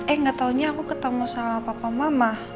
eh gak taunya aku ketemu sama papa mama